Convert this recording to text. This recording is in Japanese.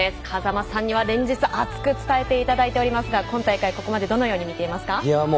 風間さんには連日熱く伝えていただいておりますが今大会、ここまでどのように見てますか？